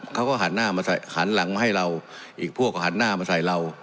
เขาก็หันหน้ามาหันหลังมาให้เราอีกพวกก็หันหน้ามาใส่เรา